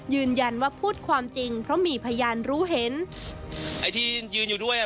ยืนยันว่าพูดความจริงเพราะมีพยานรู้เห็นไอ้ที่ยืนยืนอยู่ด้วยอ่ะ